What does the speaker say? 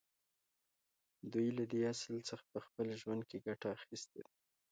دوی له دې اصل څخه په خپل ژوند کې ګټه اخیستې ده